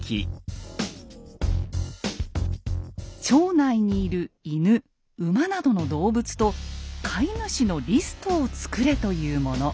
「町内にいる犬馬などの動物と飼い主のリストを作れ」というもの。